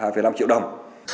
hai năm triệu đồng